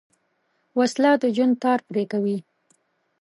وسله د ژوند تار پرې کوي